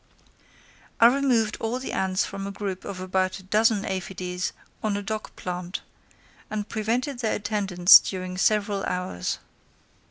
I removed all the ants from a group of about a dozen aphides on a dock plant, and prevented their attendance during several hours.